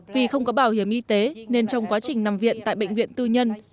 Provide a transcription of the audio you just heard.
vì không có bảo hiểm y tế nên trong quá trình nằm viện tại bệnh viện tư nhân